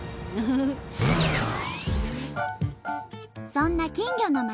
そんな金魚の町